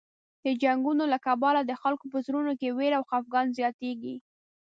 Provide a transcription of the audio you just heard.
د جنګونو له کبله د خلکو په زړونو کې وېره او خفګان زیاتېږي.